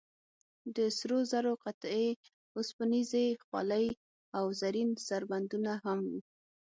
د سرو زرو قطعې، اوسپنیزې خولۍ او زرین سربندونه هم و.